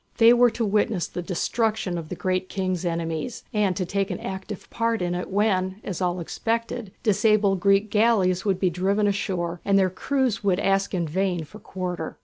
They were to witness the destruction of the Great King's enemies, and to take an active part in it when, as all expected, disabled Greek galleys would be driven ashore, and their crews would ask in vain for quarter.